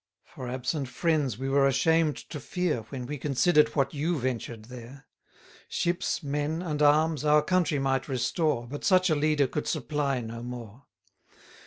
For absent friends we were ashamed to fear When we consider'd what you ventured there. Ships, men, and arms, our country might restore, But such a leader could supply no more.